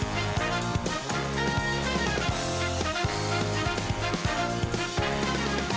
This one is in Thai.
ติดตามตอนต่อไป